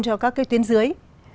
cho các tuyến dưới